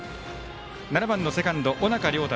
７番、セカンド、尾中亮太。